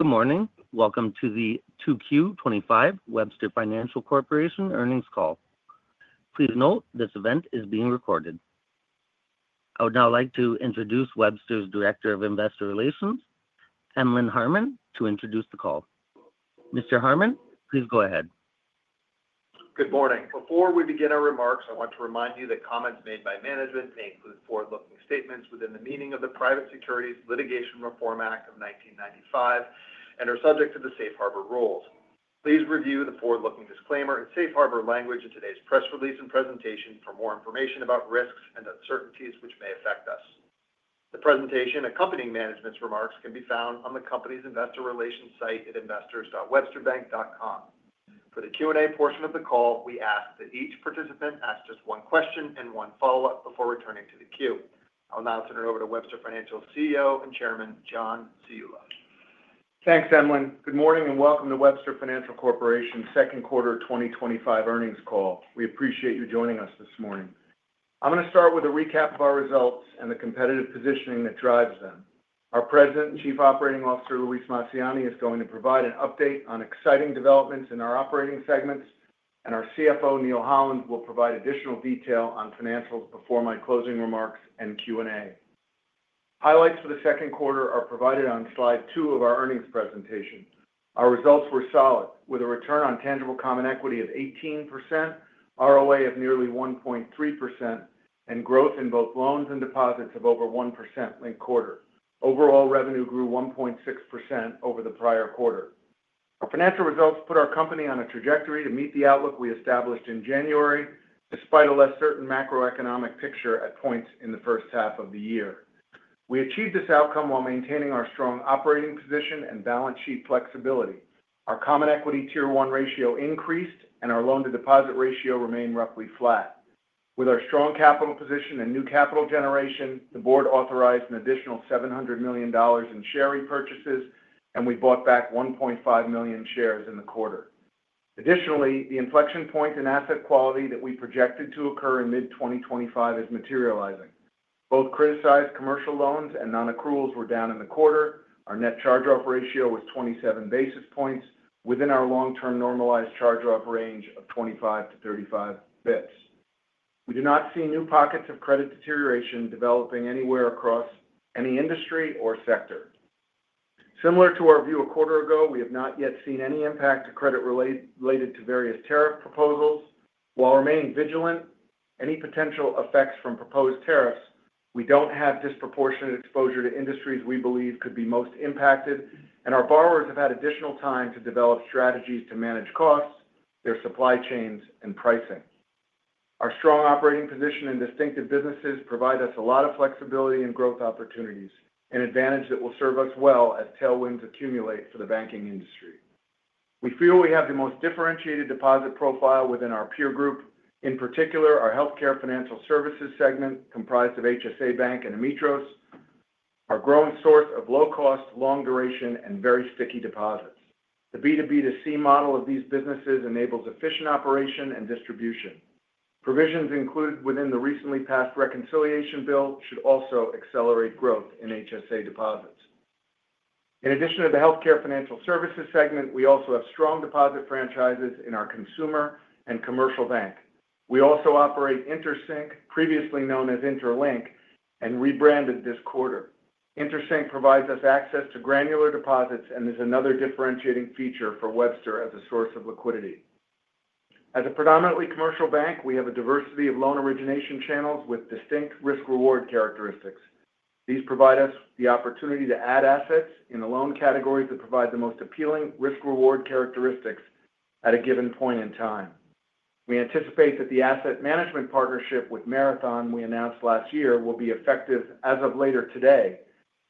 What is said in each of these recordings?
Good morning. Welcome to the 2Q25 Webster Financial Corporation earnings call. Please note this event is being recorded. I would now like to introduce Webster's Director of Investor Relations, Emlen Harmon, to introduce the call. Mr. Harmon, please go ahead. Good morning. Before we begin our remarks, I want to remind you that comments made by management may include forward-looking statements within the meaning of the Private Securities Litigation Reform Act of 1995 and are subject to the Safe Harbor rules. Please review the forward-looking disclaimer in Safe Harbor language in today's press release and presentation for more information about risks and uncertainties which may affect us. The presentation accompanying management's remarks can be found on the company's investor relations site at investors.websterbank.com. For the Q&A portion of the call, we ask that each participant ask just one question and one follow-up before returning to the queue. I will now turn it over to Webster Financial's CEO and Chairman, John Ciulla. Thanks, Emlen. Good morning and welcome to Webster Financial Corporation's second quarter 2025 earnings call. We appreciate you joining us this morning. I'm going to start with a recap of our results and the competitive positioning that drives them. Our President and Chief Operating Officer, Luis Massiani, is going to provide an update on exciting developments in our operating segments, and our CFO, Neal Holland, will provide additional detail on financials before my closing remarks and Q&A. Highlights for the second quarter are provided on slide two of our earnings presentation. Our results were solid, with a Return on Tangible Common Equity of 18%, ROA of nearly 1.3%, and growth in both loans and deposits of over 1% linked quarter. Overall revenue grew 1.6% over the prior quarter. Our financial results put our company on a trajectory to meet the outlook we established in January, despite a less certain macroeconomic picture at points in the first half of the year. We achieved this outcome while maintaining our strong operating position and balance sheet flexibility. Our common equity tier one ratio increased, and our Loan-to-Deposit Ratio remained roughly flat. With our strong capital position and new capital generation, the board authorized an additional $700 million in share repurchases, and we bought back 1.5 million shares in the quarter. Additionally, the inflection point in asset quality that we projected to occur in mid-2025 is materializing. Both criticized commercial loans and Non-Accruals were down in the quarter. Our Net Charge-Off Ratio was 27 Basis Points within our long-term normalized charge-off range of 25-35 bps. We do not see new pockets of credit deterioration developing anywhere across any industry or sector. Similar to our view a quarter ago, we have not yet seen any impact to credit related to various tariff proposals. While remaining vigilant for any potential effects from proposed tariffs, we don't have disproportionate exposure to industries we believe could be most impacted, and our borrowers have had additional time to develop strategies to manage costs, their supply chains, and pricing. Our strong operating position and distinctive businesses provide us a lot of flexibility and growth opportunities, an advantage that will serve us well as tailwinds accumulate for the banking industry. We feel we have the most differentiated deposit profile within our peer group, in particular our healthcare financial services segment comprised of HSA Bank and Ametros, our growing source of low-cost, long-duration, and very sticky deposits. The B2B2C model of these businesses enables efficient operation and distribution. Provisions included within the recently passed reconciliation bill should also accelerate growth in HSA Deposits. In addition to the healthcare financial services segment, we also have strong deposit franchises in our consumer and commercial bank. We also operate interSYNC, previously known as interLINK, and rebranded this quarter. interSync provides us access to granular deposits and is another differentiating feature for Webster as a source of liquidity. As a predominantly commercial bank, we have a diversity of loan origination channels with distinct risk-reward characteristics. These provide us the opportunity to add Assets in the loan categories that provide the most appealing risk-reward characteristics at a given point in time. We anticipate that the asset management partnership with Marathon we announced last year will be effective as of later today,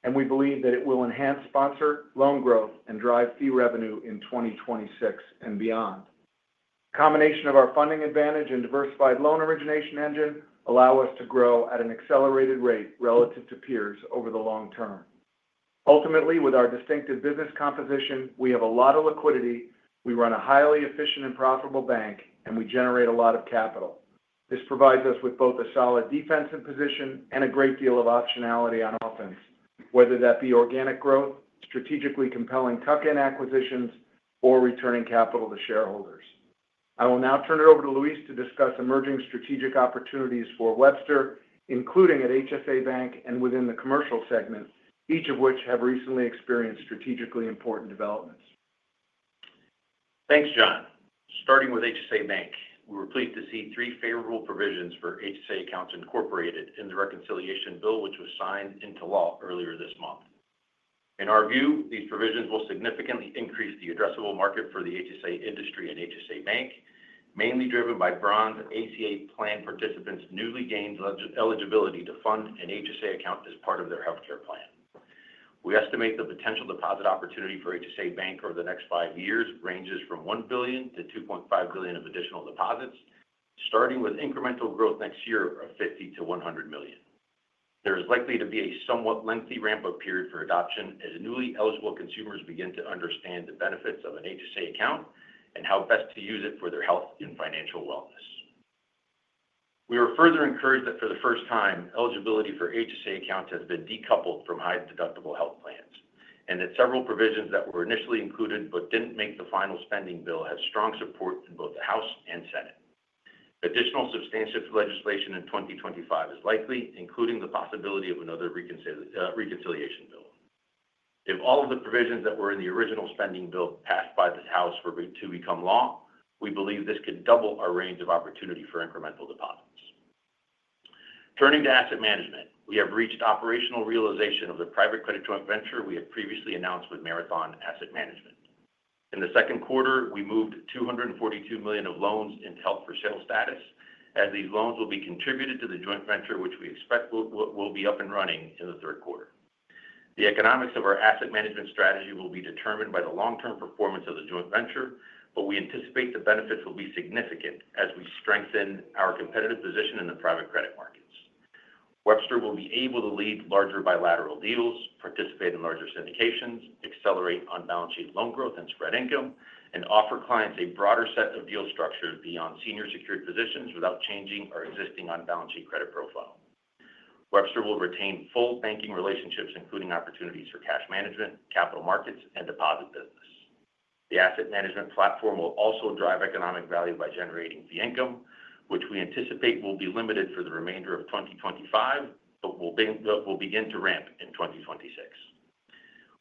and we believe that it will enhance sponsor loan growth and drive fee revenue in 2026 and beyond. The combination of our funding advantage and diversified loan origination engine allows us to grow at an accelerated rate relative to peers over the long term. Ultimately, with our distinctive business composition, we have a lot of liquidity, we run a highly efficient and profitable bank, and we generate a lot of capital. This provides us with both a solid defensive position and a great deal of optionality on offense, whether that be organic growth, strategically compelling tuck-in acquisitions, or returning capital to shareholders. I will now turn it over to Luis to discuss emerging strategic opportunities for Webster, including at HSA Bank and within the commercial segment, each of which have recently experienced strategically important developments. Thanks, John. Starting with HSA Bank, we were pleased to see three favorable provisions for HSA Accounts incorporated in the reconciliation bill which was signed into law earlier this month. In our view, these provisions will significantly increase the addressable market for the HSA Industry at HSA Bank, mainly driven by Bronze ACA Plan participants' newly gained eligibility to fund an HSA Account as part of their healthcare plan. We estimate the potential deposit opportunity for HSA Bank over the next five years ranges from $1 billion-$2.5 billion of additional deposits, starting with incremental growth next year of $50-$100 million. There is likely to be a somewhat lengthy ramp-up period for adoption as newly eligible consumers begin to understand the benefits of an HSA Account and how best to use it for their health and financial wellness. We are further encouraged that for the first time, eligibility for HSA Accounts has been decoupled from high-deductible health plans and that several provisions that were initially included but didn't make the final spending bill have strong support in both the House and Senate. Additional substantive legislation in 2025 is likely, including the possibility of another reconciliation bill. If all of the provisions that were in the original spending bill passed by the House were to become law, we believe this could double our range of opportunity for incremental deposits. Turning to asset management, we have reached operational realization of the Private Credit Joint Venture we had previously announced with Marathon Asset Management. In the second quarter, we moved $242 million of loans into held for sale status, as these loans will be contributed to the joint venture, which we expect will be up and running in the third quarter. The economics of our asset management strategy will be determined by the long-term performance of the joint venture, but we anticipate the benefits will be significant as we strengthen our competitive position in the private credit markets. Webster will be able to lead larger bilateral deals, participate in larger syndications, accelerate on-balance sheet loan growth and spread income, and offer clients a broader set of deal structures beyond senior secured positions without changing our existing on-balance sheet credit profile. Webster will retain full banking relationships, including opportunities for cash management, capital markets, and deposit business. The asset management platform will also drive economic value by generating fee income, which we anticipate will be limited for the remainder of 2025 but will begin to ramp in 2026.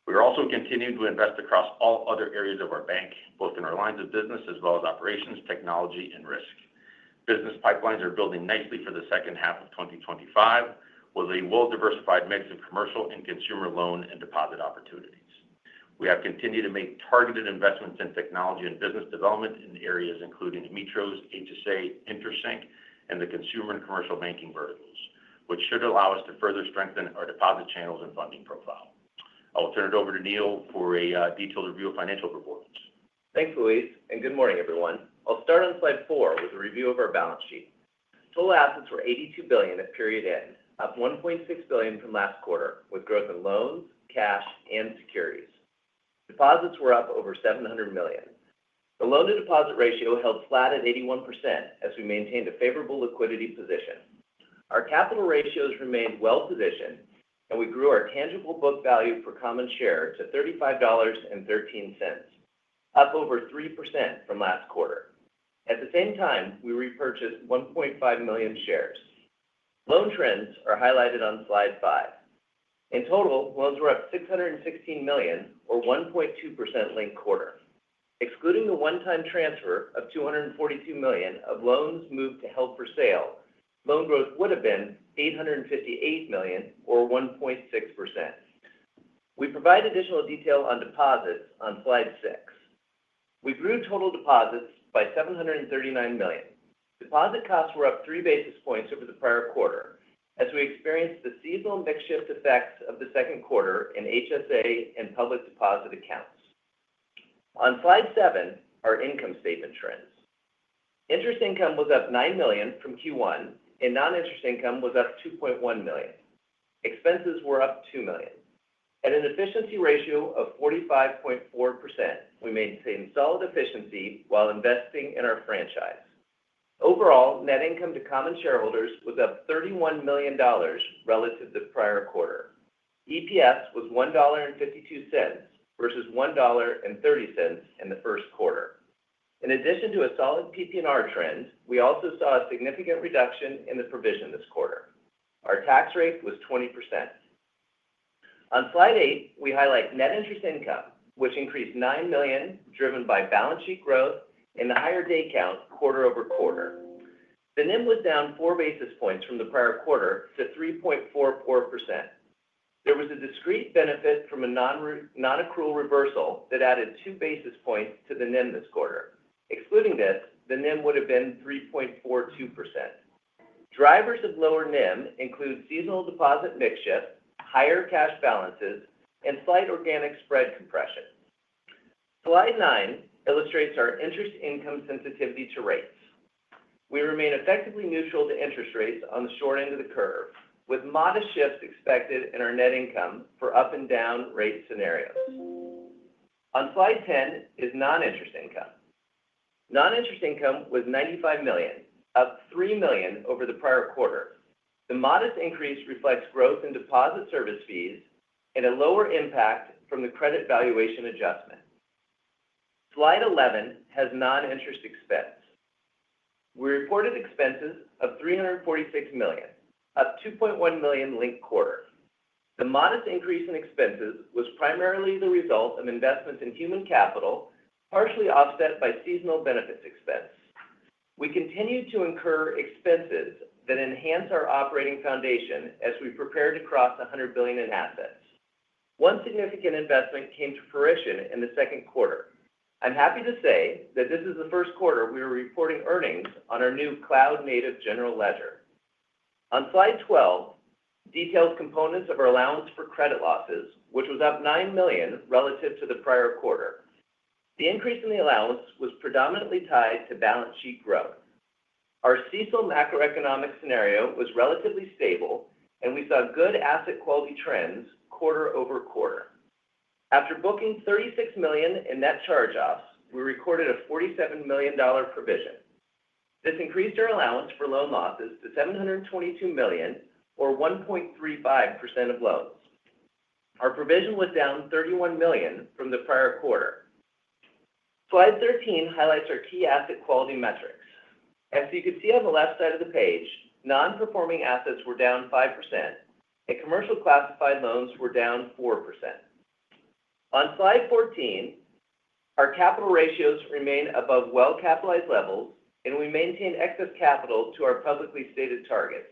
We are also continuing to invest across all other areas of our bank, both in our lines of business as well as operations, technology, and risk. Business pipelines are building nicely for the second half of 2025 with a well-diversified mix of commercial and consumer loan and deposit opportunities. We have continued to make targeted investments in technology and business development in areas including Ametros, HSA, InterSync, and the consumer and commercial banking verticals, which should allow us to further strengthen our deposit channels and funding profile. I will turn it over to Neal for a detailed review of financial performance. Thanks, Luis, and good morning, everyone. I'll start on slide four with a review of our balance sheet. Total Assets were $82 billion at period end, up $1.6 billion from last quarter with growth in loans, cash, and securities. Deposits were up over $700 million. The loan-to-deposit ratio held flat at 81% as we maintained a favorable liquidity position. Our capital ratios remained well-positioned, and we grew our tangible book value per common share to $35.13. Up over 3% from last quarter. At the same time, we repurchased 1.5 million shares. Loan trends are highlighted on slide five. In total, loans were up $616 million, or 1.2% linked quarter. Excluding the one-time transfer of $242 million of loans moved to held for sale, loan growth would have been $858 million, or 1.6%. We provide additional detail on deposits on slide six. We grew total deposits by $739 million. Deposit costs were up three Basis Points over the prior quarter as we experienced the seasonal mix-shift effects of the second quarter in HSA and Public Aeposit Accounts. On slide seven, our income statement trends. Interest income was up $9 million from Q1, and non-interest income was up $2.1 million. Expenses were up $2 million. At an Efficiency Ratio of 45.4%, we maintained solid efficiency while investing in our franchise. Overall, net income to common shareholders was up $31 million relative to the prior quarter. EPS was $1.52 versus $1.30 in the first quarter. In addition to a solid PP&R trend, we also saw a significant reduction in the provision this quarter. Our tax rate was 20%. On slide eight, we highlight Net Interest Income, which increased $9 million driven by balance sheet growth and the higher day count quarter over quarter. The NIM was down four Basis Points from the prior quarter to 3.44%. There was a discrete benefit from a non-accrual reversal that added two Basis Points to the NIM this quarter. Excluding this, the NIM would have been 3.42%. Drivers of lower NIM include seasonal deposit mix-shift, higher cash balances, and slight organic spread compression. Slide nine illustrates our interest income sensitivity to rates. We remain effectively neutral to interest rates on the short end of the curve, with modest shifts expected in our net income for up-and-down rate scenarios. On slide 10 is non-interest income. Non-interest income was $95 million, up $3 million over the prior quarter. The modest increase reflects growth in deposit service fees and a lower impact from the credit valuation adjustment. Slide 11 has non-interest expense. We reported expenses of $346 million, up $2.1 million linked quarter. The modest increase in expenses was primarily the result of investments in human capital, partially offset by seasonal benefits expense. We continue to incur expenses that enhance our operating foundation as we prepare to cross $100 billion in assets. One significant investment came to fruition in the second quarter. I'm happy to say that this is the first quarter we are reporting earnings on our new cloud-native general ledger. On slide 12, details components of our Allowance for Credit Losses, which was up $9 million relative to the prior quarter. The increase in the allowance was predominantly tied to balance sheet growth. Our seasonal macroeconomic scenario was relatively stable, and we saw good asset quality trends quarter over quarter. After booking $36 million in Net Charge-Offs, we recorded a $47 million provision. This increased our allowance for loan losses to $722 million, or 1.35% of loans. Our provision was down $31 million from the prior quarter. Slide 13 highlights our key asset quality metrics. As you can see on the left side of the page, Non-Performing Assets were down 5%, and commercial classified loans were down 4%. On slide 14, our capital ratios remain above well-capitalized levels, and we maintained excess capital to our publicly stated targets.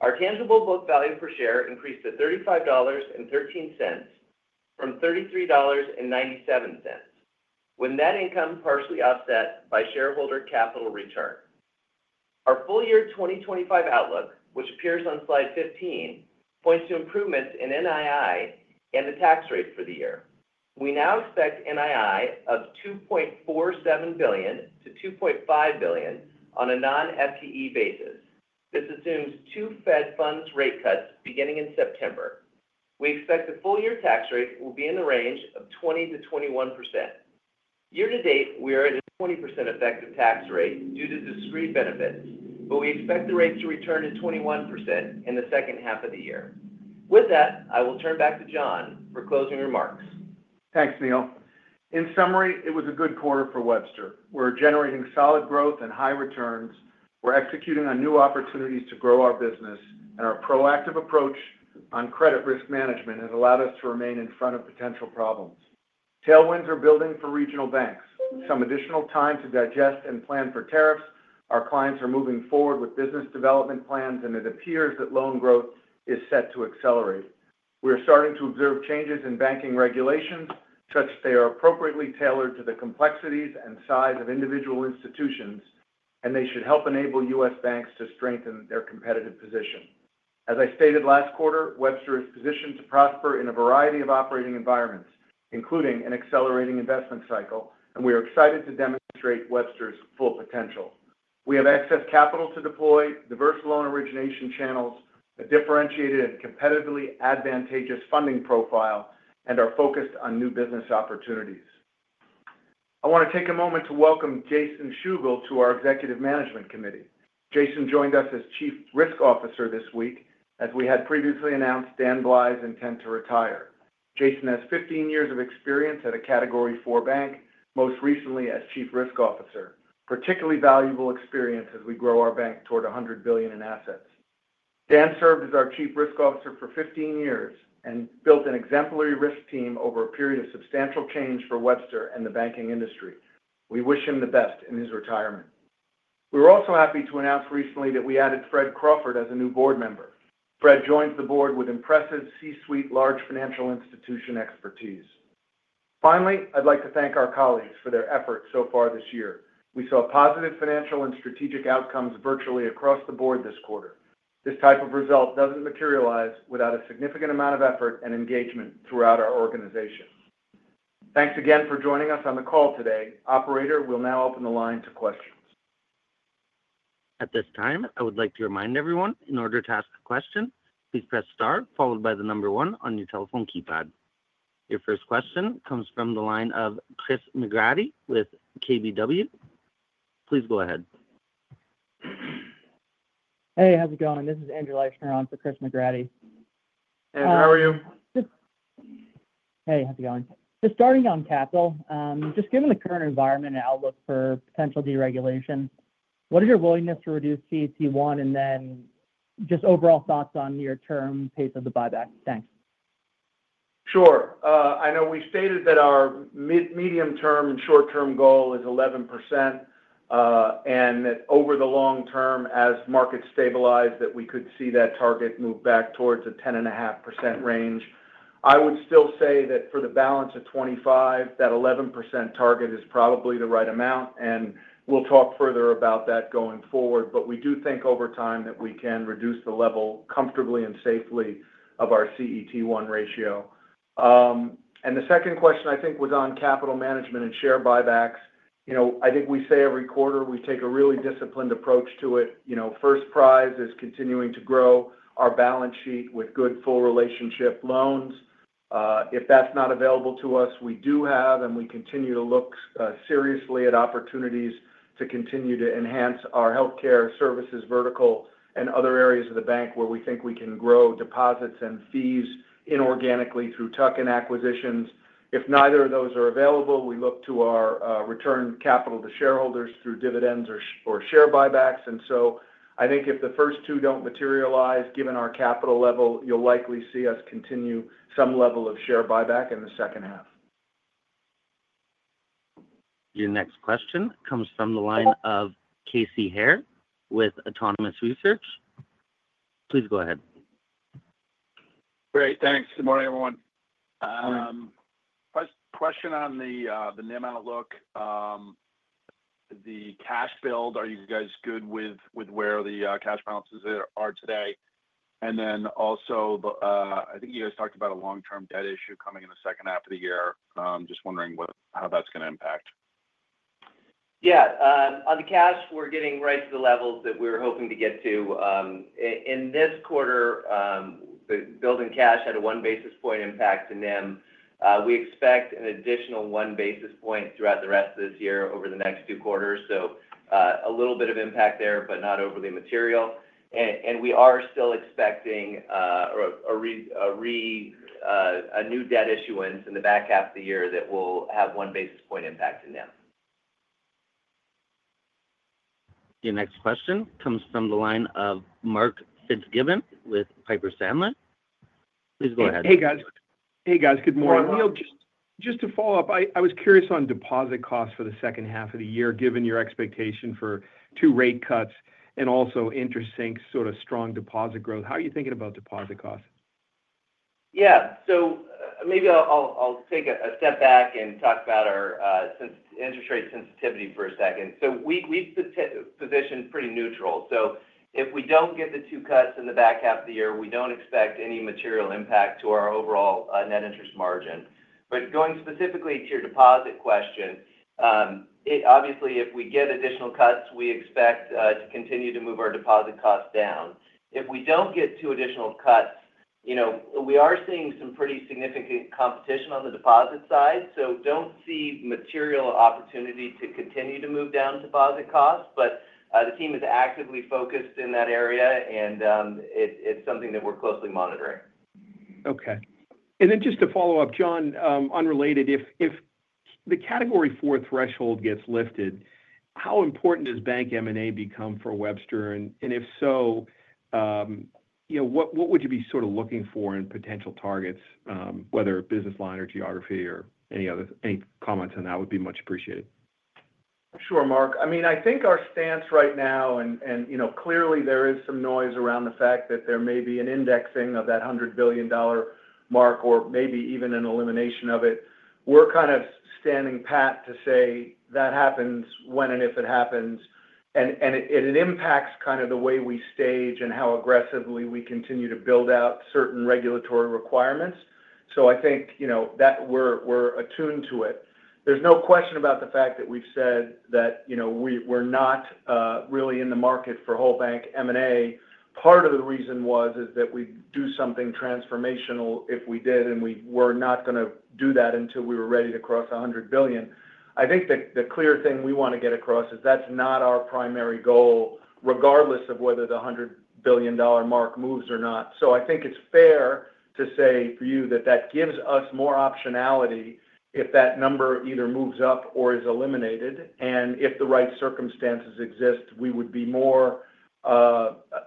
Our tangible book value per share increased to $35.13 from $33.97, with net income partially offset by shareholder capital return. Our full year 2025 outlook, which appears on slide 15, points to improvements in NII and the tax rate for the year. We now expect NII of $2.47 billion-$2.5 billion on a non-FTE basis. This assumes two Fed funds rate cuts beginning in September. We expect the full year tax rate will be in the range of 20%-21%. Year to date, we are at a 20% effective tax rate due to discrete benefits, but we expect the rate to return to 21% in the second half of the year. With that, I will turn back to John for closing remarks. Thanks, Neal. In summary, it was a good quarter for Webster. We're generating solid growth and high returns. We're executing on new opportunities to grow our business, and our proactive approach on credit risk management has allowed us to remain in front of potential problems. Tailwinds are building for regional banks. Some additional time to digest and plan for tariffs. Our clients are moving forward with business development plans, and it appears that loan growth is set to accelerate. We are starting to observe changes in banking regulations such that they are appropriately tailored to the complexities and size of individual institutions, and they should help enable U.S. Banks to strengthen their competitive position. As I stated last quarter, Webster is positioned to prosper in a variety of operating environments, including an accelerating investment cycle, and we are excited to demonstrate Webster's full potential. We have excess capital to deploy, diverse loan origination channels, a differentiated and competitively advantageous funding profile, and are focused on new business opportunities. I want to take a moment to welcome Jason Soto to our Executive Management Committee. Jason joined us as Chief Risk Officer this week, as we had previously announced Dan Bley's intent to retire. Jason has 15 years of experience at a category four bank, most recently as Chief Risk Officer, particularly valuable experience as we grow our bank toward $100 billion in assets. Dan served as our Chief Risk Officer for 15 years and built an exemplary risk team over a period of substantial change for Webster and the banking industry. We wish him the best in his retirement. We were also happy to announce recently that we added Fred Crawford as a new board member. Fred joined the board with impressive C-suite large financial institution expertise. Finally, I'd like to thank our colleagues for their efforts so far this year. We saw positive financial and strategic outcomes virtually across the board this quarter. This type of result doesn't materialize without a significant amount of effort and engagement throughout our organization. Thanks again for joining us on the call today. Operator will now open the line to questions. At this time, I would like to remind everyone in order to ask a question, please press star followed by the number one on your telephone keypad. Your first question comes from the line of Chris McGrathy with KBW. Please go ahead. Hey, how's it going? This is Andrew Leisner on for Chris McGrathy. Hey, how are you? Hey, how's it going? Just starting on capital, just given the current environment and outlook for potential deregulation, what is your willingness to reduce CET1 and then just overall thoughts on your term pace of the buyback? Thanks. Sure. I know we stated that our medium-term and short-term goal is 11%. And that over the long term, as markets stabilize, that we could see that target move back towards a 10.5% range. I would still say that for the balance of 2025, that 11% target is probably the right amount, and we'll talk further about that going forward. But we do think over time that we can reduce the level comfortably and safely of our CET1 Ratio. And the second question, I think, was on capital management and share buybacks. I think we say every quarter we take a really disciplined approach to it. First prize is continuing to grow our balance sheet with good full relationship loans. If that's not available to us, we do have, and we continue to look seriously at opportunities to continue to enhance our healthcare services vertical and other areas of the bank where we think we can grow deposits and fees inorganically through tuck-in acquisitions. If neither of those are available, we look to our return capital to shareholders through dividends or share buybacks. And so I think if the first two don't materialize, given our capital level, you'll likely see us continue some level of share buyback in the second half. Your next question comes from the line of Casey Haire with Autonomous Research. Please go ahead. Great. Thanks. Good morning, everyone. Question on the NIM outlook. The cash build, are you guys good with where the cash balances are today? And then also, I think you guys talked about a long-term debt issue coming in the second half of the year. I'm just wondering how that's going to impact. Yeah. On the cash, we're getting right to the levels that we were hoping to get to in this quarter. Building cash had a one basis point impact to NIM. We expect an additional one basis point throughout the rest of this year over the next two quarters. So a little bit of impact there, but not overly material. And we are still expecting a new debt issuance in the back half of the year that will have one basis point impact to NIM. Your next question comes from the line of Mark Fitzgibbon with Piper Sandler. Please go ahead. Hey, guys. Good morning. Neal, just to follow up, I was curious on deposit costs for the second half of the year, given your expectation for two rate cuts and also InterSync sort of strong deposit growth. How are you thinking about deposit costs? Yeah. So maybe I'll take a step back and talk about our interest rate sensitivity for a second. So we've positioned pretty neutral. So if we don't get the two cuts in the back half of the year, we don't expect any material impact to our overall Net Interest Margin. But going specifically to your deposit question. Obviously, if we get additional cuts, we expect to continue to move our deposit costs down. If we don't get two additional cuts. We are seeing some pretty significant competition on the deposit side. So don't see material opportunity to continue to move down deposit costs, but the team is actively focused in that area, and it's something that we're closely monitoring. Okay. And then just to follow up, John, unrelated, if the category four threshold gets lifted, how important does Bank M&A become for Webster? And if so, what would you be sort of looking for in potential targets, whether business line or geography or any comments on that would be much appreciated. Sure, Mark. I mean, I think our stance right now, and clearly there is some noise around the fact that there may be an indexing of that $100 billion mark, or maybe even an elimination of it. We're kind of standing pat to say that happens when and if it happens, and it impacts kind of the way we stage and how aggressively we continue to build out certain regulatory requirements. So I think that we're attuned to it. There's no question about the fact that we've said that. We're not really in the market for whole bank M&A. Part of the reason was that we'd do something transformational if we did, and we were not going to do that until we were ready to cross $100 billion. I think the clear thing we want to get across is that's not our primary goal, regardless of whether the $100 billion mark moves or not. So I think it's fair to say for you that that gives us more optionality if that number either moves up or is eliminated, and if the right circumstances exist, we would be more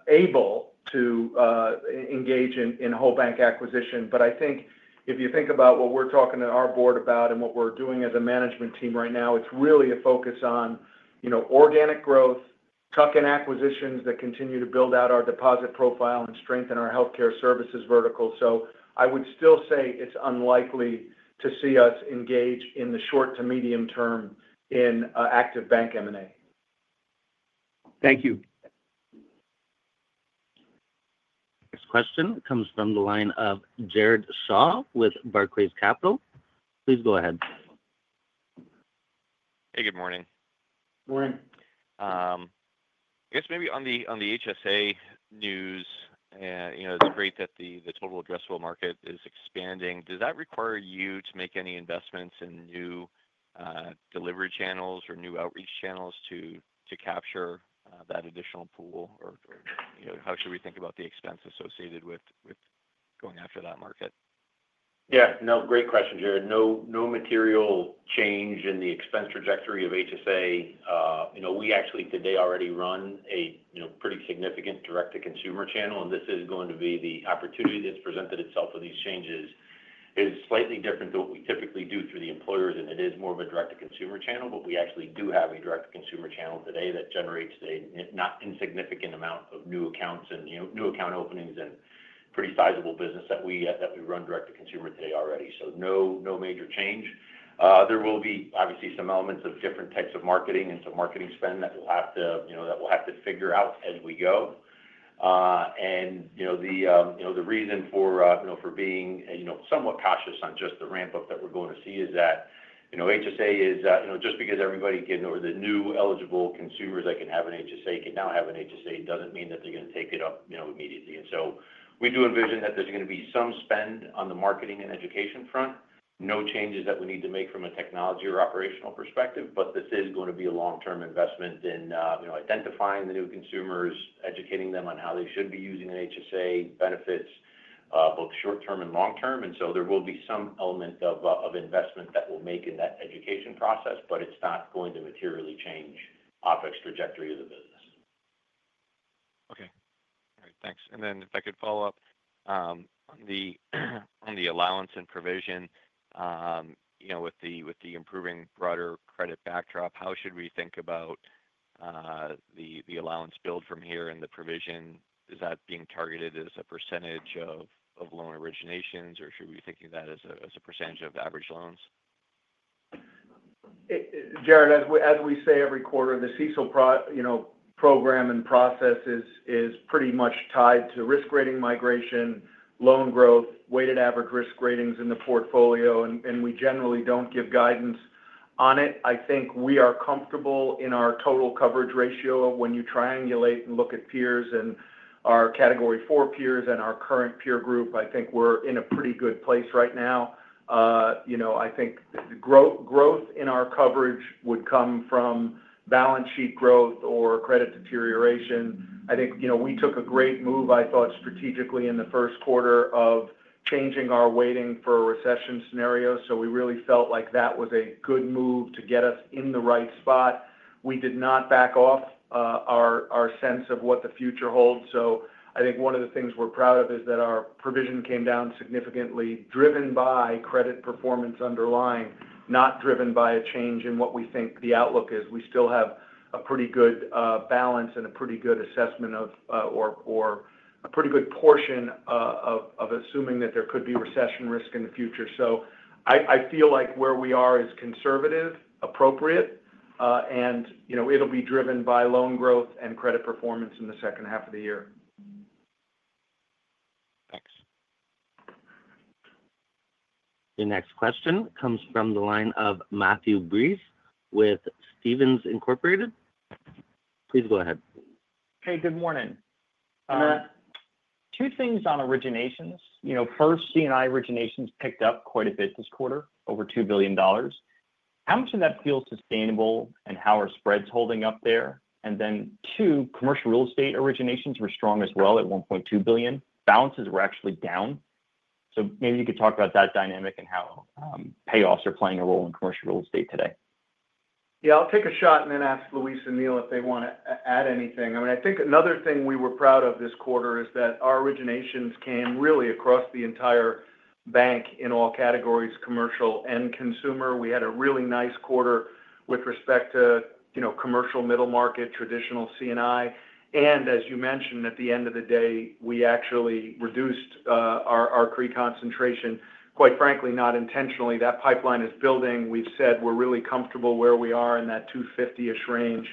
able to engage in whole bank acquisition, but I think if you think about what we're talking to our board about and what we're doing as a management team right now, it's really a focus on organic growth, tuck-in acquisitions that continue to build out our deposit profile and strengthen our healthcare services vertical, so I would still say it's unlikely to see us engage in the short to medium term in Active Bank M&A. Thank you. Next question comes from the line of Jared Shaw with Barclays Capital. Please go ahead. Hey, good morning. Morning. I guess maybe on the HSA News, it's great that the total addressable market is expanding. Does that require you to make any investments in new delivery channels or new outreach channels to capture that additional pool? Or how should we think about the expense associated with going after that market? Yeah. No, great question, Jared. No material change in the expense trajectory of HSA. We actually today already run a pretty significant direct-to-consumer channel, and this is going to be the opportunity that's presented itself with these changes. It is slightly different than what we typically do through the employers, and it is more of a direct-to-consumer channel, but we actually do have a direct-to-consumer channel today that generates a not insignificant amount of new accounts and new account openings and pretty sizable business that we run direct-to-consumer today already. So no major change. There will be obviously some elements of different types of marketing and some marketing spend that we'll have to figure out as we go. And the reason for being somewhat cautious on just the ramp-up that we're going to see is that HSA is just because everybody can or the new eligible consumers that can have an HSA can now have an HSA doesn't mean that they're going to take it up immediately. And so we do envision that there's going to be some spend on the marketing and education front. No changes that we need to make from a technology or operational perspective, but this is going to be a long-term investment in identifying the new consumers, educating them on how they should be using an HSA benefits, both short-term and long-term. And so there will be some element of investment that we'll make in that education process, but it's not going to materially change OpEx trajectory of the business. Okay. All right. Thanks. And then if I could follow up on the allowance and provision. With the improving broader credit backdrop, how should we think about the allowance build from here and the provision? Is that being targeted as a percentage of loan originations, or should we be thinking of that as a percentage of average loans? Jared, as we say every quarter, the CESL program and process is pretty much tied to risk rating migration, loan growth, weighted average risk ratings in the portfolio, and we generally don't give guidance on it. I think we are comfortable in our total coverage ratio when you triangulate and look at peers and our category four peers and our current peer group. I think we're in a pretty good place right now. I think the growth in our coverage would come from balance sheet growth or credit deterioration. I think we took a great move, I thought, strategically in the first quarter of changing our weighting for a recession scenario. So we really felt like that was a good move to get us in the right spot. We did not back off our sense of what the future holds. So I think one of the things we're proud of is that our provision came down significantly driven by credit performance underlying, not driven by a change in what we think the outlook is. We still have a pretty good balance and a pretty good assessment of or a pretty good portion of assuming that there could be recession risk in the future. So I feel like where we are is conservative, appropriate, and it'll be driven by loan growth and credit performance in the second half of the year. Your next question comes from the line of Matthew Breeze with Stevens Incorporated. Please go ahead. Hey, good morning. Two things on originations. First, C&I originations picked up quite a bit this quarter, over $2 billion. How much of that feels sustainable, and how are spreads holding up there? And then two, commercial real estate originations were strong as well at $1.2 billion. Balances were actually down. So maybe you could talk about that dynamic and how payoffs are playing a role in commercial real estate today. Yeah, I'll take a shot and then ask Luis and Neal if they want to add anything. I mean, I think another thing we were proud of this quarter is that our originations came really across the entire bank in all categories, commercial and consumer. We had a really nice quarter with respect to commercial, middle market, traditional, C&I. And as you mentioned, at the end of the day, we actually reduced our CRE concentration, quite frankly, not intentionally. That pipeline is building. We've said we're really comfortable where we are in that 250-ish range.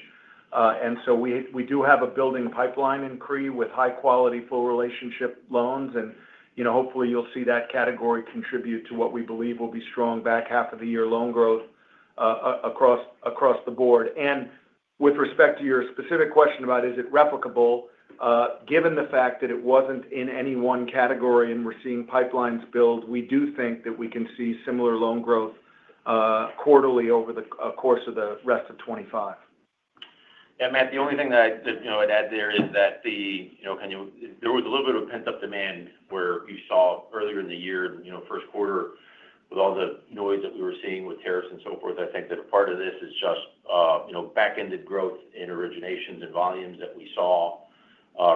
And so we do have a building pipeline in CRE with high-quality full relationship loans. And hopefully, you'll see that category contribute to what we believe will be strong back half of the year loan growth. Across the board. And with respect to your specific question about is it replicable. Given the fact that it wasn't in any one category and we're seeing pipelines build, we do think that we can see similar loan growth. Quarterly over the course of the rest of 2025. Yeah, Matt, the only thing that I would add there is that the kind of there was a little bit of pent-up demand where you saw earlier in the year, first quarter, with all the noise that we were seeing with tariffs and so forth. I think that a part of this is just back-ended growth in originations and volumes that we saw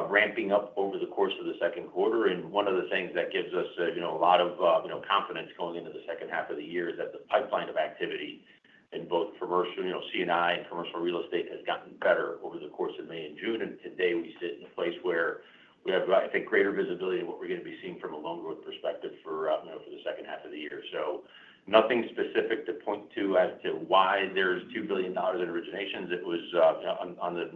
ramping up over the course of the second quarter, and one of the things that gives us a lot of confidence going into the second half of the year is that the pipeline of activity in both commercial C&I and commercial real estate has gotten better over the course of May and June, and today we sit in a place where we have, I think, greater visibility of what we're going to be seeing from a loan growth perspective for the second half of the year. So nothing specific to point to as to why there's $2 billion in originations. It was on the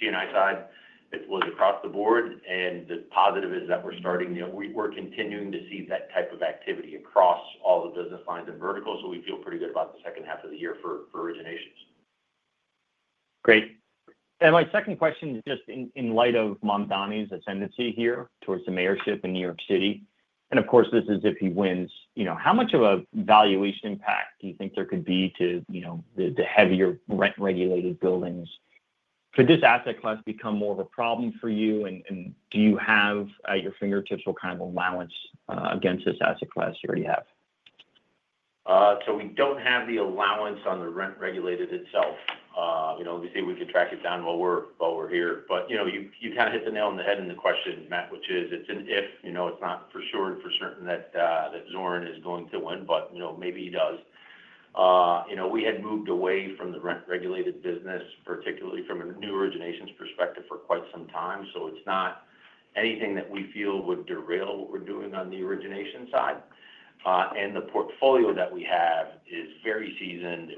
C&I side. It was across the board, and the positive is that we're continuing to see that type of activity across all the business lines and verticals, so we feel pretty good about the second half of the year for originations. Great. And my second question is just in light of Mamdani's Ascendancy here towards the mayorship in New York City. And of course, this is if he wins. How much of a valuation impact do you think there could be to the heavily rent-regulated buildings? Could this asset class become more of a problem for you? And do you have at your fingertips what kind of allowance against this asset class you already have? So we don't have the allowance on the rent-regulated itself. Obviously, we can track it down while we're here. But you kind of hit the nail on the head in the question, Matt, which is it's an if. It's not for sure and for certain that Zohran is going to win, but maybe he does. We had moved away from the rent-regulated business, particularly from a new originations perspective, for quite some time. So it's not anything that we feel would derail what we're doing on the origination side. And the portfolio that we have is very seasoned.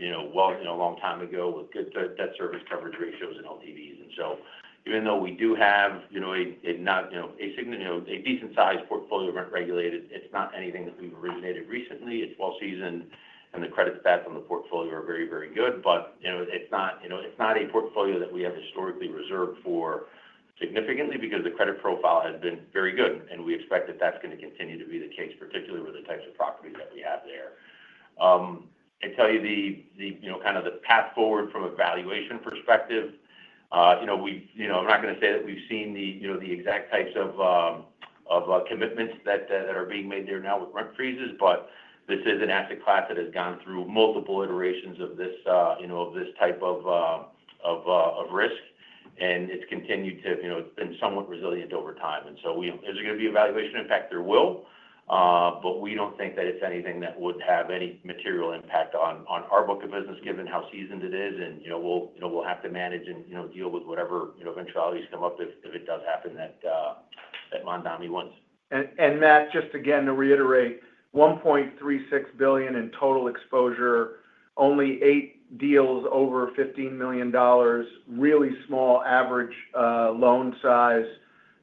It was originated well a long time ago with good debt service coverage ratios and LTVs. And so even though we do have a decent-sized portfolio of rent-regulated, it's not anything that we've originated recently. It's well-seasoned, and the credit stats on the portfolio are very, very good. But it's not a portfolio that we have historically reserved for significantly because the credit profile has been very good. And we expect that that's going to continue to be the case, particularly with the types of properties that we have there. I tell you the kind of path forward from a valuation perspective. I'm not going to say that we've seen the exact types of commitments that are being made there now with rent freezes, but this is an asset class that has gone through multiple iterations of this type of risk. And it's continued to, it's been somewhat resilient over time. And so is there going to be a valuation impact? There will. But we don't think that it's anything that would have any material impact on our book of business, given how seasoned it is. And we'll have to manage and deal with whatever eventualities come up if it does happen that Mamdani wins. And Matt, just again to reiterate, $1.36 billion in total exposure, only eight deals over $15 million, really small average loan size,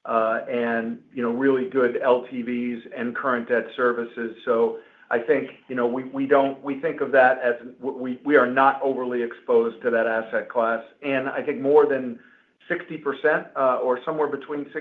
and really good LTVs and current debt services. So I think we think of that as we are not overly exposed to that asset class. And I think more than 60% or somewhere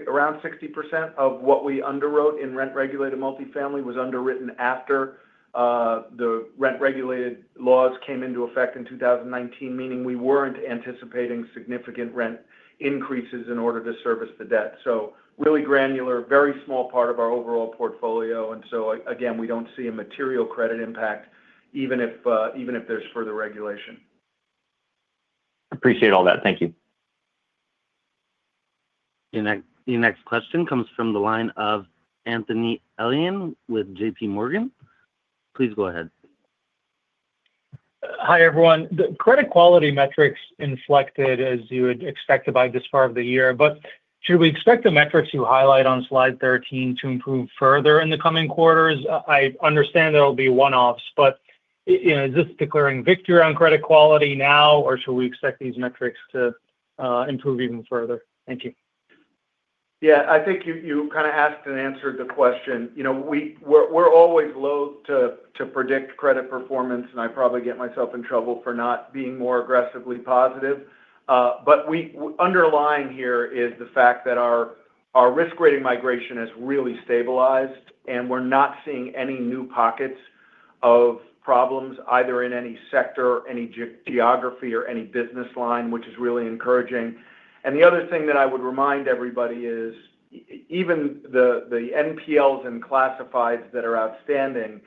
around 60% of what we underwrote in rent-regulated multifamily was underwritten after. The Rent-Regulated Laws came into effect in 2019, meaning we weren't anticipating significant rent increases in order to service the debt. So really granular, very small part of our overall portfolio. And so again, we don't see a material credit impact, even if there's further regulation. Appreciate all that. Thank you. Your next question comes from the line of Anthony Elian with JPMorgan. Please go ahead. Hi everyone. The credit quality metrics inflected, as you would expect to by this far of the year. But should we expect the metrics you highlight on slide 13 to improve further in the coming quarters? I understand there will be one-offs, but is this declaring victory on credit quality now, or should we expect these metrics to improve even further? Thank you. Yeah, I think you kind of asked and answered the question. We're always loathe to predict credit performance, and I probably get myself in trouble for not being more aggressively positive. But underlying here is the fact that our risk-rating migration has really stabilized, and we're not seeing any new pockets of problems either in any sector, any geography, or any business line, which is really encouraging. And the other thing that I would remind everybody is even the NPLs and classifieds that are outstanding,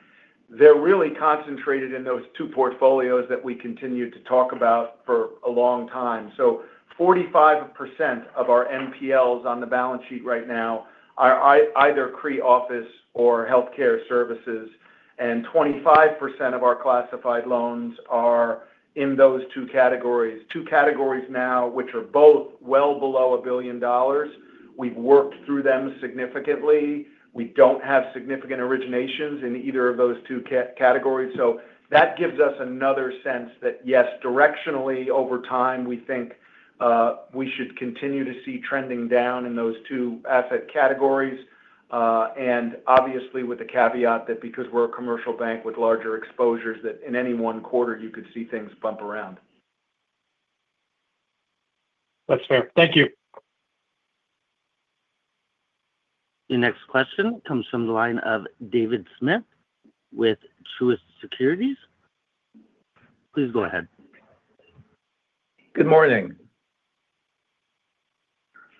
they're really concentrated in those two portfolios that we continue to talk about for a long time. So 45% of our NPLs on the balance sheet right now are either CRE office or healthcare services. And 25% of our classified loans are in those two categories. Two categories now, which are both well below $1 billion. We've worked through them significantly. We don't have significant originations in either of those two categories. So that gives us another sense that, yes, directionally over time, we think we should continue to see trending down in those two asset categories. And obviously, with the caveat that because we're a commercial bank with larger exposures, that in any one quarter, you could see things bump around. That's fair. Thank you. Your next question comes from the line of David Smith with Truist Securities. Please go ahead. Good morning.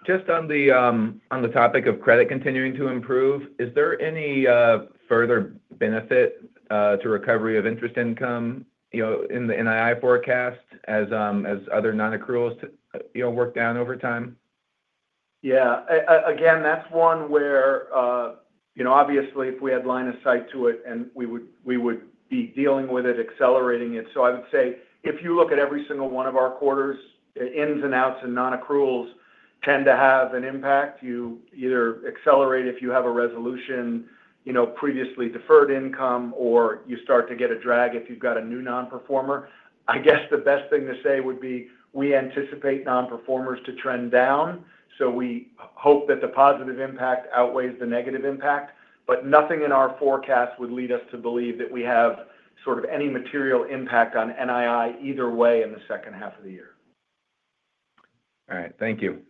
Just on the topic of credit continuing to improve, is there any further benefit to recovery of interest income in the NII Forecast as other Non-Accruals work down over time? Yeah. Again, that's one where. Obviously, if we had line of sight to it, we would be dealing with it, accelerating it. So I would say if you look at every single one of our quarters, the ins and outs and Non-Accruals tend to have an impact. You either accelerate if you have a resolution. Previously deferred income, or you start to get a drag if you've got a new Non-Performer. I guess the best thing to say would be we anticipate non-performers to trend down. So we hope that the positive impact outweighs the negative impact. But nothing in our forecast would lead us to believe that we have sort of any material impact on NII either way in the second half of the year. All right. Thank you.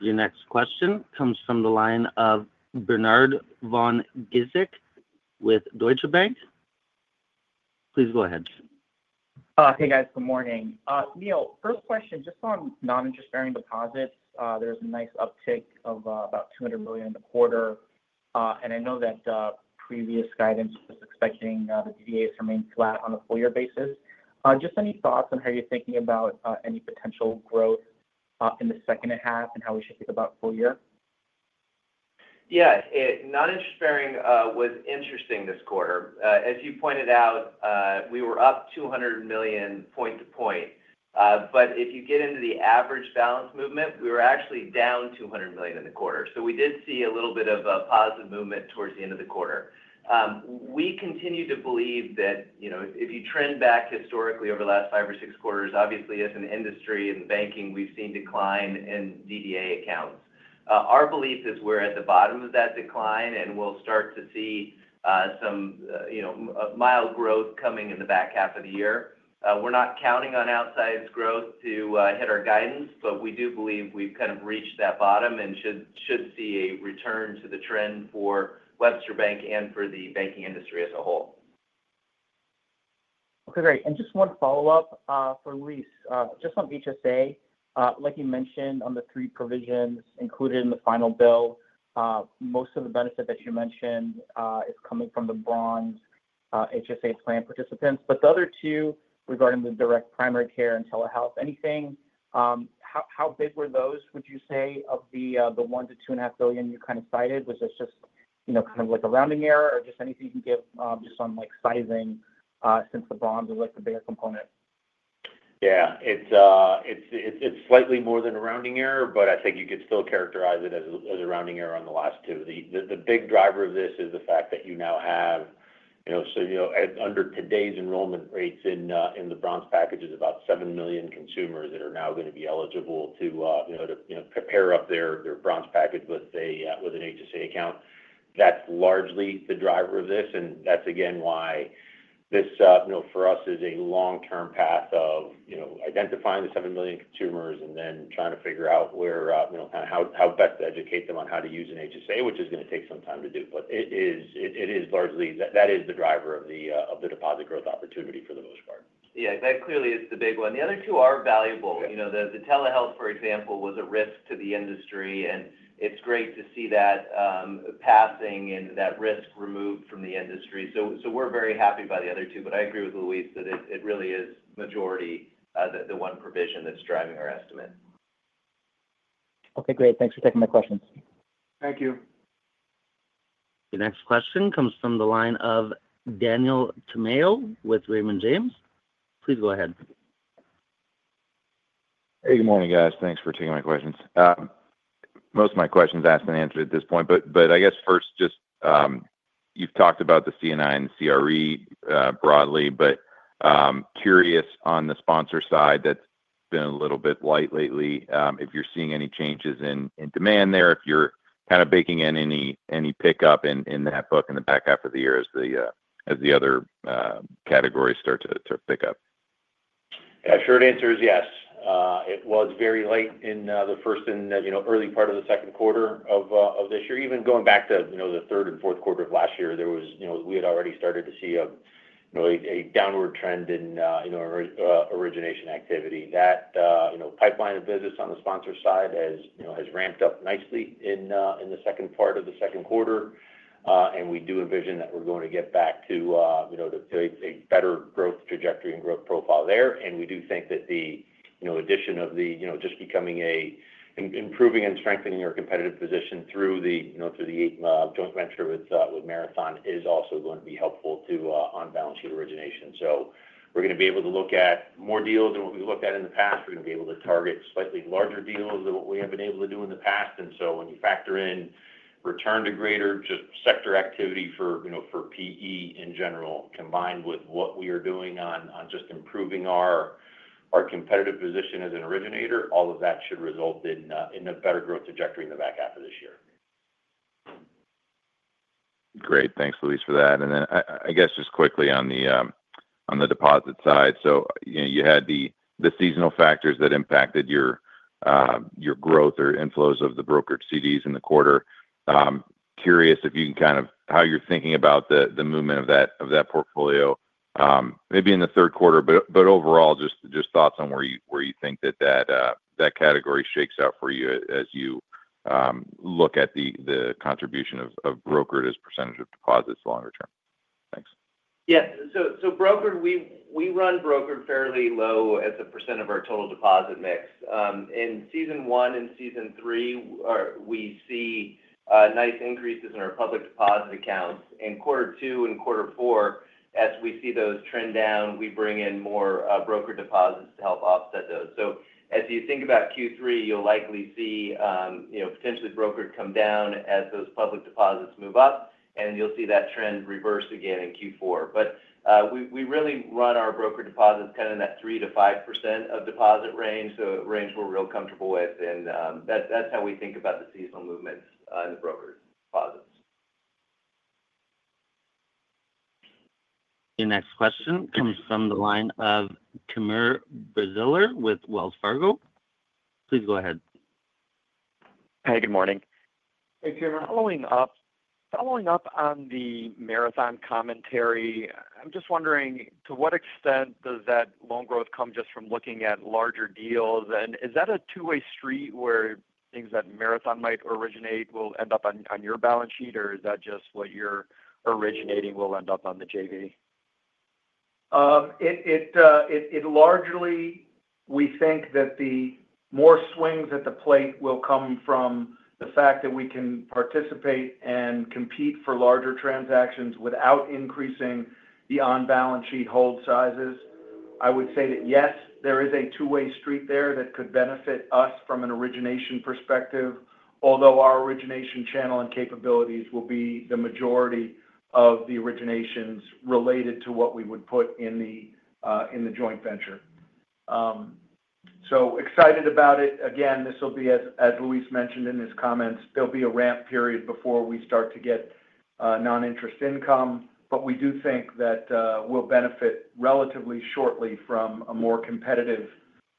Your next question comes from the line of Bernhard von Giseke with Deutsche Bank. Please go ahead. Hey, guys. Good morning. Neal, first question, just on non-interest-bearing deposits, there was a nice uptick of about $200 million in the quarter. And I know that previous guidance was expecting the DVAs to remain flat on a full-year basis. Just any thoughts on how you're thinking about any potential growth in the second half and how we should think about full year? Yeah. Non-interest-bearing was interesting this quarter. As you pointed out, we were up $200 million point to point. But if you get into the average balance movement, we were actually down $200 million in the quarter. So we did see a little bit of a positive movement towards the end of the quarter. We continue to believe that if you trend back historically over the last five or six quarters, obviously, as an industry and banking, we've seen decline in DDA accounts. Our belief is we're at the bottom of that decline, and we'll start to see some mild growth coming in the back half of the year. We're not counting on outsized growth to hit our guidance, but we do believe we've kind of reached that bottom and should see a return to the trend for Webster Bank and for the banking industry as a whole. Okay, great. And just one follow-up for Luis. Just on HSA, like you mentioned, on the three provisions included in the final bill. Most of the benefit that you mentioned is coming from the Bronze HSA Plan participants. But the other two regarding the direct primary care and telehealth, anything. How big were those, would you say, of the $1-$2.5 billion you kind of cited? Was this just kind of like a rounding error or just anything you can give just on sizing since the Bronze is the bigger component? Yeah. It's slightly more than a rounding error, but I think you could still characterize it as a rounding error on the last two. The big driver of this is the fact that you now have so under today's enrollment rates in the Bronze package, there's about seven million consumers that are now going to be eligible to pair up their Bronze package with an HSA Account. That's largely the driver of this. And that's, again, why this for us is a long-term path of identifying the seven million consumers and then trying to figure out how best to educate them on how to use an HSA, which is going to take some time to do. But it is largely that is the driver of the deposit growth opportunity for the most part. Yeah, that clearly is the big one. The other two are valuable. The telehealth, for example, was a risk to the industry. And it's great to see that passing and that risk removed from the industry. So we're very happy by the other two. But I agree with Luis that it really is majority the one provision that's driving our estimate. Okay, great. Thanks for taking my questions. Thank you. Your next question comes from the line of Daniel Tomeo with Raymond James. Please go ahead. Hey, good morning, guys. Thanks for taking my questions. Most of my questions asked and answered at this point. But I guess first, just. You've talked about the C&I and CRE broadly, but. Curious on the sponsor side that's been a little bit light lately. If you're seeing any changes in demand there, if you're kind of baking in any pickup in that book in the back half of the year as the other. Categories start to pick up. Yeah, short answer is yes. It was very late in the first and early part of the second quarter of this year. Even going back to the third and fourth quarter of last year, we had already started to see a downward trend in origination activity. That pipeline of business on the sponsor side has ramped up nicely in the second part of the second quarter, and we do envision that we're going to get back to a better growth trajectory and growth profile there, and we do think that the addition of the just becoming an improving and strengthening our competitive position through the joint venture with Marathon is also going to be helpful to on-balance sheet origination, so we're going to be able to look at more deals than what we looked at in the past. We're going to be able to target slightly larger deals than what we have been able to do in the past, and so when you factor in return to greater just sector activity for PE in general, combined with what we are doing on just improving our competitive position as an originator, all of that should result in a better growth trajectory in the back half of this year. Great. Thanks, Luis, for that. And then I guess just quickly on the deposit side. So you had the seasonal factors that impacted your growth or inflows of the Brokered CDs in the quarter. Curious if you can kind of how you're thinking about the movement of that portfolio. Maybe in the third quarter, but overall, just thoughts on where you think that that category shakes out for you as you look at the contribution of Brokered as percentage of deposits longer term. Thanks. Yeah. So, Brokered, we run Brokered fairly low as a percent of our total deposit mix. In season one and season three, we see nice increases in our public deposit accounts. In quarter two and quarter four, as we see those trend down, we bring in more Brokered deposits to help offset those. So as you think about Q3, you'll likely see potentially Brokered come down as those public deposits move up. And you'll see that trend reverse again in Q4. But we really run our Brokered deposits kind of in that 3%-5% of deposit range, so a range we're real comfortable with. And that's how we think about the seasonal movements in the Brokered Deposits. Your next question comes from the line of Timur Braziler with Wells Fargo. Please go ahead. Hey, good morning. Hey, Timur. Following up. On the Marathon commentary, I'm just wondering, to what extent does that loan growth come just from looking at larger deals? And is that a two-way street where things that Marathon might originate will end up on your balance sheet, or is that just what you're originating will end up on the JV? It largely, we think that the more swings at the plate will come from the fact that we can participate and compete for larger transactions without increasing the on-balance sheet hold sizes. I would say that, yes, there is a two-way street there that could benefit us from an origination perspective, although our origination channel and capabilities will be the majority of the originations related to what we would put in the joint venture. So excited about it. Again, this will be, as Luis mentioned in his comments, there'll be a ramp period before we start to get non-interest income. But we do think that we'll benefit relatively shortly from a more competitive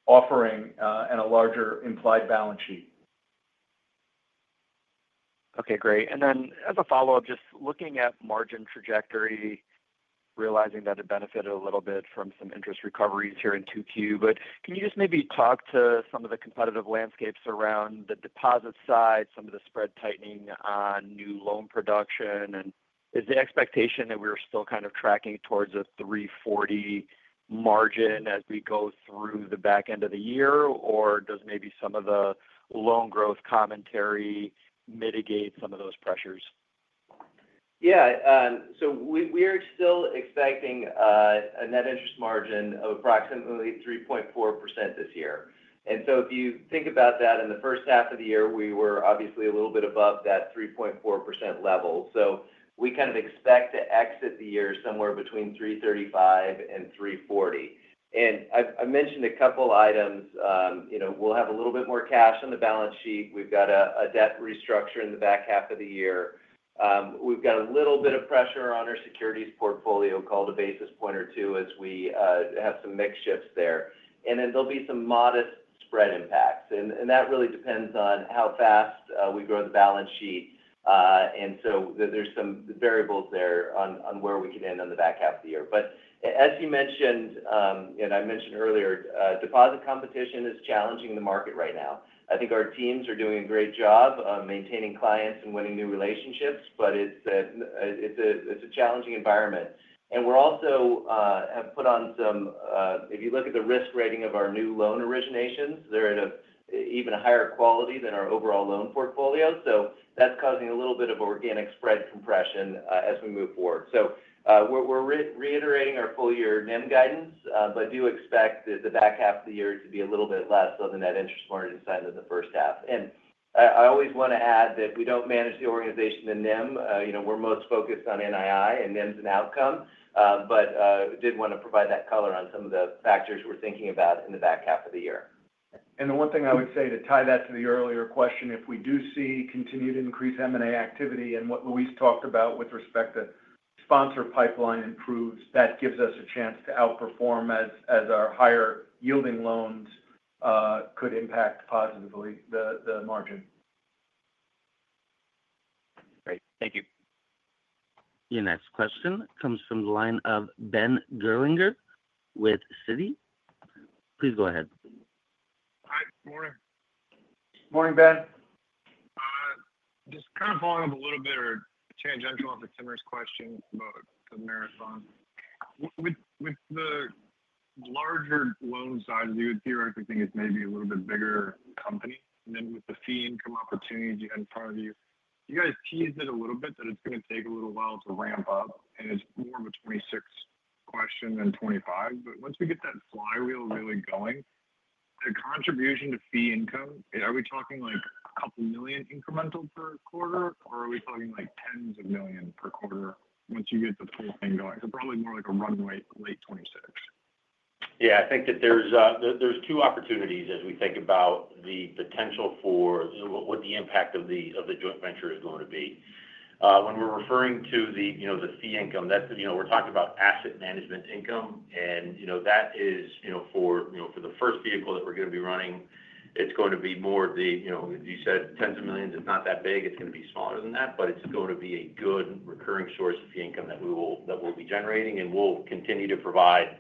offering and a larger implied balance sheet. Okay, great. And then as a follow-up, just looking at margin trajectory. Realizing that it benefited a little bit from some interest recoveries here in Q2. But can you just maybe talk to some of the competitive landscapes around the deposit side, some of the spread tightening on new loan production? And is the expectation that we're still kind of tracking towards a 3.40% margin as we go through the back end of the year, or does maybe some of the loan growth commentary mitigate some of those pressures? Yeah. So we are still expecting a Net Interest Margin of approximately 3.4% this year. And so if you think about that, in the first half of the year, we were obviously a little bit above that 3.4% level. So we kind of expect to exit the year somewhere between 335 and 340. And I mentioned a couple of items. We'll have a little bit more cash on the balance sheet. We've got a debt restructure in the back half of the year. We've got a little bit of pressure on our securities portfolio cost a basis point or two as we have some mixed shifts there. And then there'll be some modest spread impacts. And that really depends on how fast we grow the balance sheet. And so there's some variables there on where we can end on the back half of the year. But as you mentioned, and I mentioned earlier, deposit competition is challenging the market right now. I think our teams are doing a great job of maintaining clients and winning new relationships, but it's a challenging environment. And we also have put on some if you look at the risk rating of our new loan originations, they're at even a higher quality than our overall loan portfolio. So that's causing a little bit of organic spread compression as we move forward. So we're reiterating our full-year NIM guidance, but do expect the back half of the year to be a little bit less on the Net Interest Margin side than the first half. And I always want to add that we don't manage the organization in NIM. We're most focused on NII and NIMs and outcome, but did want to provide that color on some of the factors we're thinking about in the back half of the year. The one thing I would say to tie that to the earlier question, if we do see continued increased M&A activity and what Luis talked about with respect to sponsor pipeline improves, that gives us a chance to outperform as our higher yielding loans could impact positively the margin. Great. Thank you. Your next question comes from the line of Ben Gerlinger with Citi. Please go ahead. Hi. Good morning. Morning, Ben. Just kind of following up a little bit or tangential on Timur's question about the Marathon. With the larger loan side, we would theoretically think it's maybe a little bit bigger company. And then with the fee income opportunities you had in front of you, you guys teased it a little bit that it's going to take a little while to ramp up. And it's more of a 2026 question than 2025. But once we get that flywheel really going, the contribution to fee income, are we talking a couple million incremental per quarter, or are we talking tens of millions per quarter once you get the full thing going? So probably more like a runway late 2026. Yeah, I think that there's two opportunities as we think about the potential for what the impact of the joint venture is going to be. When we're referring to the fee income, we're talking about asset management income, and that is for the first vehicle that we're going to be running. It's going to be more of the, as you said, tens of millions. It's not that big. It's going to be smaller than that, but it's going to be a good recurring source of fee income that we'll be generating, and we'll continue to provide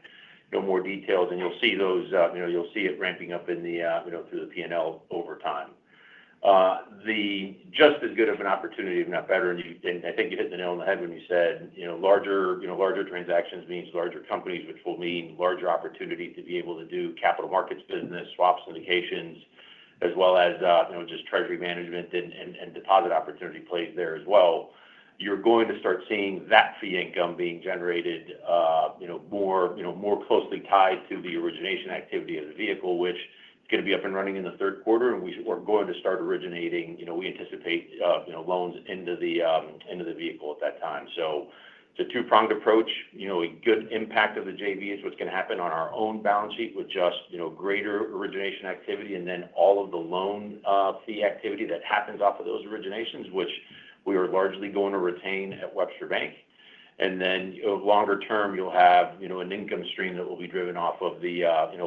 more details. You'll see those. You'll see it ramping up through the P&L over time. Just as good of an opportunity, if not better. I think you hit the nail on the head when you said larger transactions means larger companies, which will mean larger opportunity to be able to do capital markets business, swaps, syndications, as well as just treasury management and deposit opportunity plays there as well. You're going to start seeing that fee income being generated more closely tied to the origination activity of the vehicle, which is going to be up and running in the third quarter, and we're going to start originating. We anticipate loans into the vehicle at that time. It's a two-pronged approach. A good impact of the JV is what's going to happen on our own balance sheet with just greater origination activity and then all of the loan fee activity that happens off of those originations, which we are largely going to retain at Webster Bank, and then longer term, you'll have an income stream that will be driven off of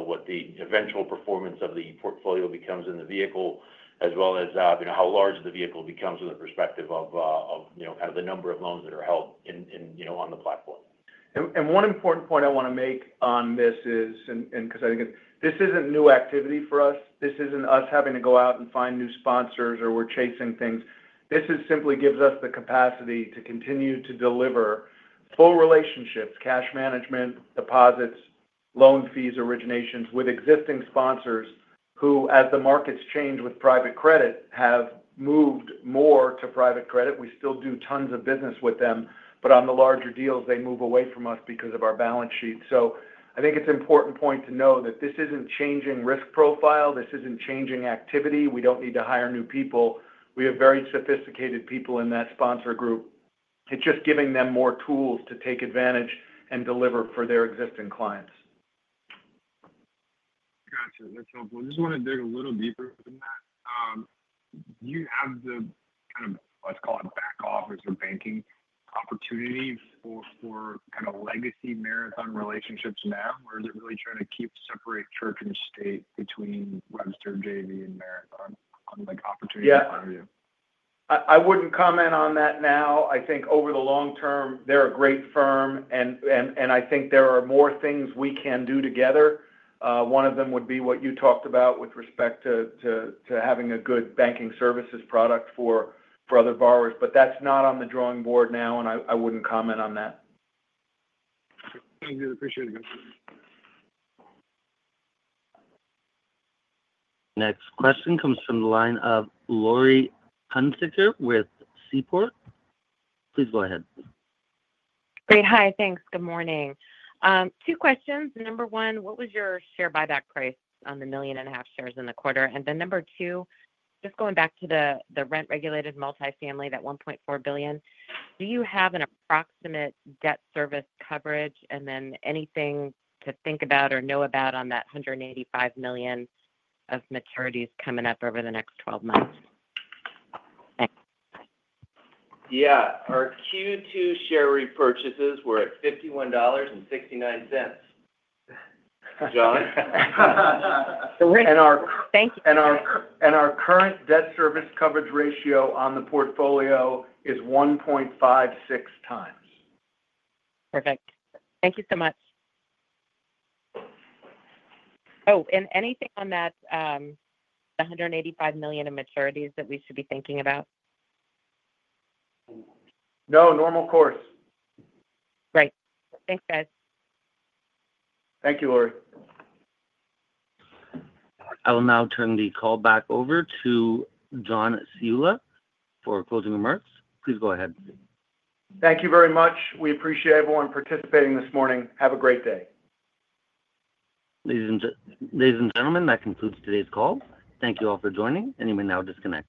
what the eventual performance of the portfolio becomes in the vehicle, as well as how large the vehicle becomes in the perspective of kind of the number of loans that are held on the platform. And one important point I want to make on this is, and because I think this isn't new activity for us. This isn't us having to go out and find new sponsors or we're chasing things. This simply gives us the capacity to continue to deliver full relationships, cash management, deposits, loan fees, originations with existing sponsors who, as the markets change with private credit, have moved more to private credit. We still do tons of business with them, but on the larger deals, they move away from us because of our balance sheet. So I think it's an important point to know that this isn't changing risk profile. This isn't changing activity. We don't need to hire new people. We have very sophisticated people in that sponsor group. It's just giving them more tools to take advantage and deliver for their existing clients. Gotcha. That's helpful. I just want to dig a little deeper than that. Do you have the kind of, let's call it, back office or banking opportunity for kind of legacy Marathon relationships now? Or is it really trying to keep separate church and state between Webster JV and Marathon on opportunity front of you? Yeah. I wouldn't comment on that now. I think over the long term, they're a great firm. And I think there are more things we can do together. One of them would be what you talked about with respect to having a good banking services product for other borrowers. But that's not on the drawing board now, and I wouldn't comment on that. Thank you. Appreciate it, guys. Next question comes from the line of Laurie Hunziker with Seaport. Please go ahead. Great. Hi. Thanks. Good morning. Two questions. Number one, what was your share buyback price on the 1.5 million shares in the quarter? And then number two, just going back to the rent-regulated multifamily that $1.4 billion, do you have an approximate debt service coverage and then anything to think about or know about on that $185 million of maturities coming up over the next 12 months? Thanks. Yeah. Our Q2 share repurchases were at $51.69. John. Our current Debt Service Coverage Ratio on the portfolio is 1.56 times. Perfect. Thank you so much. Oh, and anything on that $185 million of maturities that we should be thinking about? No, normal course. Great. Thanks, guys. Thank you, Laurie. I will now turn the call back over to John Ciulla for closing remarks. Please go ahead. Thank you very much. We appreciate everyone participating this morning. Have a great day. Ladies and gentlemen, that concludes today's call. Thank you all for joining, and you may now disconnect.